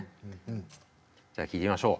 じゃあ聴いてみましょう。